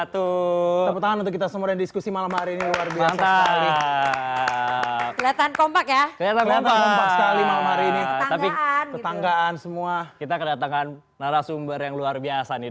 tetan kompak ya tapi tetanggaan semua kita kedatangan narasumber yang luar biasa nih